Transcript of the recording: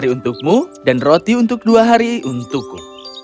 roti untukmu dan roti untuk dua hari untukku